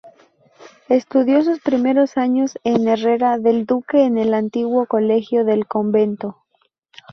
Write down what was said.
Estudió sus primeros años en Herrera del Duque en el antiguo colegio del convento.